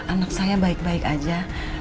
anak saya baik baik aja